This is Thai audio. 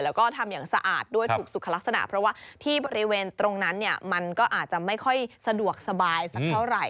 แล้วก็ทำอย่างสะอาดด้วยถูกสุขลักษณะเพราะว่าที่บริเวณตรงนั้นเนี่ยมันก็อาจจะไม่ค่อยสะดวกสบายสักเท่าไหร่